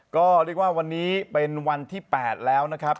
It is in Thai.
ก็เรียกว่าวันนี้เป็นวันที่๘แล้วนะครับ